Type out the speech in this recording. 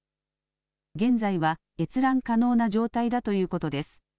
現在は閲覧可能な状態だということです。